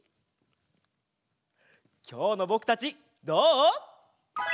きょうのぼくたちどう？